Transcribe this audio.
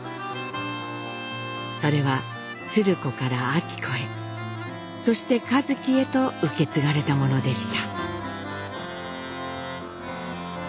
それは鶴子から昭子へそして一輝へと受け継がれたものでした。